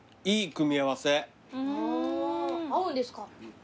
合うんですか？